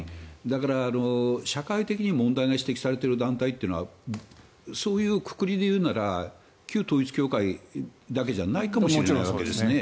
だから、社会的に問題が指摘されている団体というのはそういうくくりでいうなら旧統一教会だけじゃないかもしれないわけですよね。